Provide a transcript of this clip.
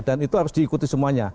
dan itu harus diikuti semuanya